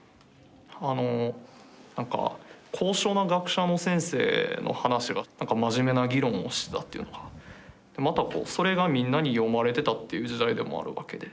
あのなんか高尚な学者の先生の話がなんか真面目な議論をしてたというのがまたそれがみんなに読まれてたっていう時代でもあるわけで。